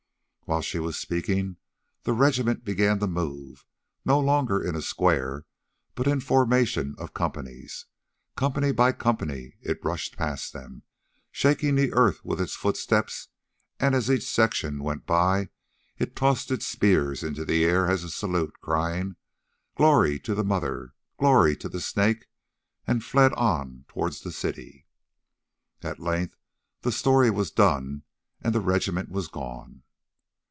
While she was speaking the regiment began to move, no longer in a square, but in a formation of companies. Company by company it rushed past them, shaking the earth with its footsteps, and as each section went by it tossed its spears into the air as a salute, crying: "Glory to the Mother! glory to the Snake!" and fled on towards the city. At length the story was done and the regiment was gone.